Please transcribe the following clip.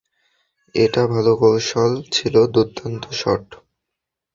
এটা ভাল কৌশল ছিলো, দুর্দান্ত সট।